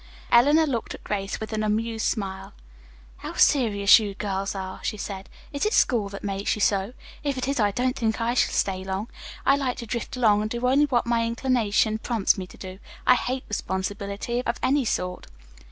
Eleanor looked at Grace with an amused smile. "How serious you girls are," she said. "Is it school that makes you so? If it is, I don't think I shall stay long. I like to drift along and do only what my inclination prompts me to do. I hate responsibility of any sort."